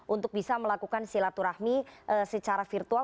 untuk bisa melakukan silaturahmi secara virtual